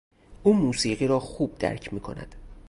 او موسیقی را خوب درک میکند.